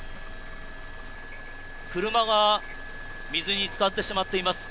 車が水に浸かってしまっています。